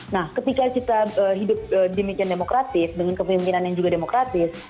nah ketika kita hidup demikian demokratis dengan kepemimpinan yang juga demokratis